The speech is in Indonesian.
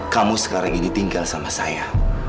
kamu sekarang ini tinggal sama saya